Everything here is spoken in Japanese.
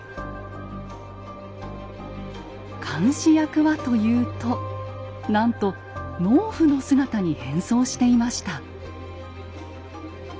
監視役はというとなんと農夫の姿に変装していました。